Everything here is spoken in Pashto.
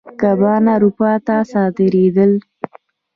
کبان اروپا ته صادرېدل.